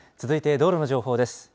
続いて道路の情報です。